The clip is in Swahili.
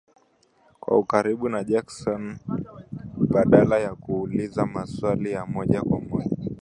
kwa ukaribu na Jackson, badala ya kuuliza maswali ya moja kwa moja